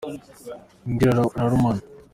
imbwa irarumana